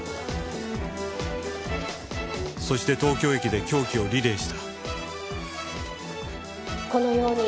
そして東京駅で凶器をリレーした。